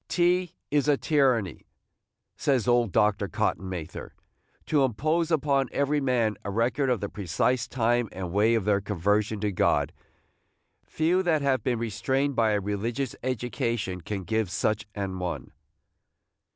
"'T is a tyranny," says old Dr. Cotton Mather, "to impose upon every man a record of the precise time and way of their conversion to God. Few that have been restrained by a religious education can give such an one."